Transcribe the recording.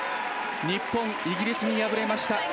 日本、イギリスに敗れました。